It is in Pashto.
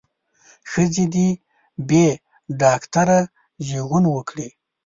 ښځې دې بې ډاکتره زېږون وکړي.